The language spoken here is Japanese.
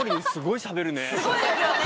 すごいですよね。